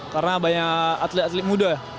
karena banyak atlet atlet muda